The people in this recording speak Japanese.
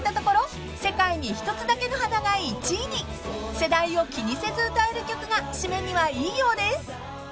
［世代を気にせず歌える曲がシメにはいいようです］